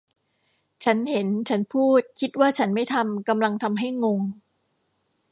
ฉันเห็นฉันพูดคิดว่าฉันไม่ทำกำลังทำให้งง